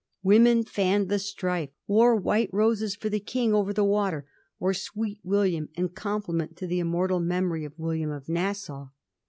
Women fanned the strife, wore white roses for the King over the water, or Sweet William in compliment to the ' immortal memory ' of William of Nassau.